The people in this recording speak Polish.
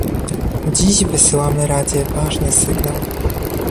Dziś wysyłamy Radzie ważny sygnał